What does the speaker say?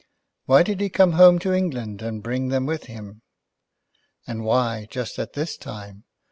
Why did he come home to England and bring them with him? And why just at this time?